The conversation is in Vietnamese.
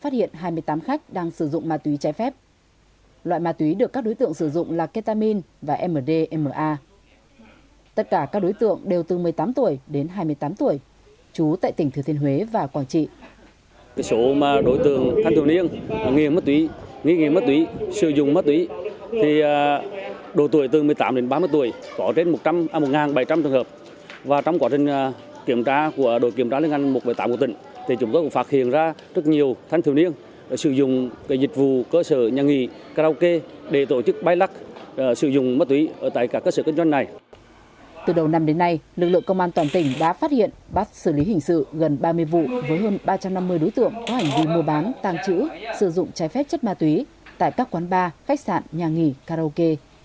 tỉnh đã phát hiện bắt xử lý hình sự gần ba mươi vụ với hơn ba trăm năm mươi đối tượng có hành vi mua bán tàng trữ sử dụng trái phép chất ma túy tại các quán bar khách sạn nhà nghỉ karaoke